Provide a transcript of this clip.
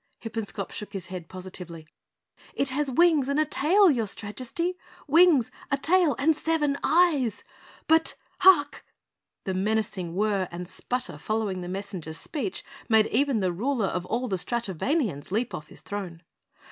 Hippenscop shook his head positively. "It has wings and a tail, your Strajesty. Wings, a tail and seven eyes! But HARK!!" The menacing whirr and sputter following the messenger's speech made even the Ruler of all the Stratovanians leap off his throne.